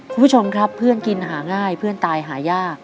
คุณผู้ชมครับเพื่อนกินหาง่ายเพื่อนตายหายาก